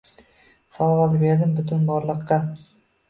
Savol berdim butun borliqqa